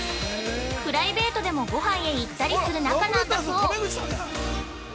プライベートでもごはんへ行ったりする仲なんだそう。